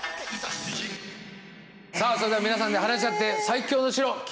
さあそれでは皆さんで話し合って最強の城決めて下さい。